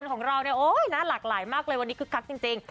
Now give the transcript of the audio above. ของเราเนี่ยโอ๊ยน่าหลากหลายมากเลยวันนี้คึกคักจริง